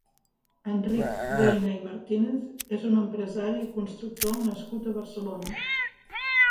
Enric Reyna i Martínez és un empresari i constructor nascut a Barcelona.